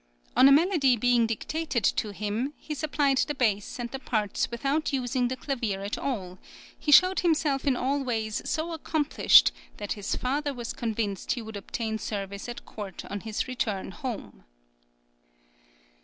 On a melody being dictated to him, he supplied the bass and the parts without using the clavier at all; he showed himself in all ways so accomplished that his father was convinced he would obtain service at court on his return home.